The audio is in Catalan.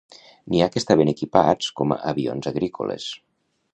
N'hi ha que estaven equipats com a avions agrícoles.